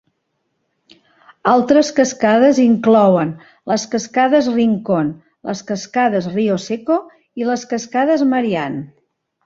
Altres cascades inclouen les Cascades Rincon, les Cascades Rio Seco i les Cascades Marianne.